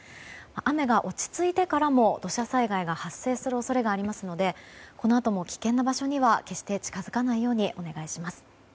雨が落ち着いてからも土砂災害が発生する恐れがありますのでこのあとも危険な場所には決して近づかないようにお願いします。